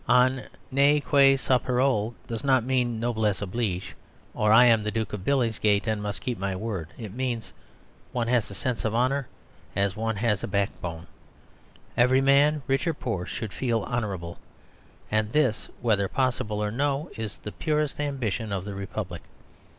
"On n'a que sa parole" does not mean "Noblesse oblige," or "I am the Duke of Billingsgate and must keep my word." It means: "One has a sense of honour as one has a backbone: every man, rich or poor, should feel honourable"; and this, whether possible or no, is the purest ambition of the republic.